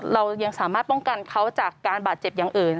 เรายังสามารถป้องกันเขาจากการบาดเจ็บอย่างอื่น